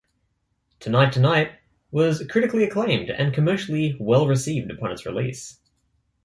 "Tonight, Tonight" was critically acclaimed and commercially well-received upon its release.